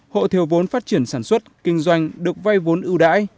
hộ thiếu vốn phát triển sản xuất kinh doanh được vay vốn ưu đãi